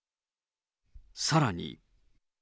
さらに。